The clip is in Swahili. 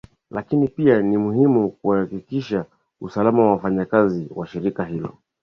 lakini pia ni muhimu kuakikisha usalama wa wafanyakazi wa shirika hilo